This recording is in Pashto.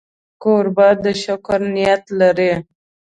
کوربه د شکر نیت لري.